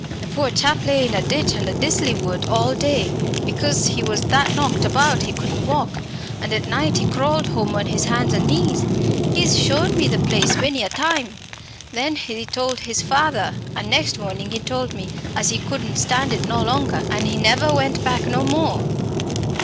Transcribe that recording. The poor chap lay in a ditch under Disley Wood all day, because he was that knocked about he couldn't walk, and at night he crawled home on his hands and knees. He's shown me the place many a time! Then he told his father, and next morning he told me, as he couldn't stand it no longer, an' he never went back no more."